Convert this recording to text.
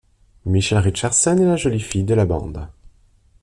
Michelle Richardson est la jolie fille de la bande.